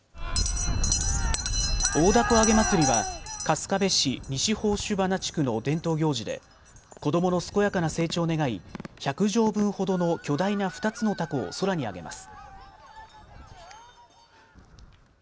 大凧あげ祭りは春日部市西宝珠花地区の伝統行事で子どもの健やかな成長を願い１００畳分ほどの巨大な２つのたこを空に揚げます。